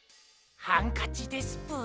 ハンカチですぷ。